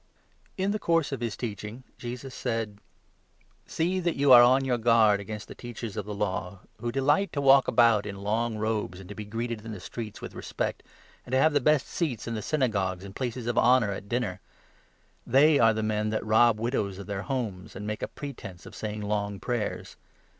In the course of his teaching, 38 Teachers of JeSUS Said : the Law. "See that you are on your guard against the Teachers of the Law, who delight to walk about in long robes, and to be greeted in the streets with respect, and to 39 have the best seats in the Synagogues, and places of honour at dinner. They are the men that rob widows of their homes, 40 and make a pretence of saying long prayers.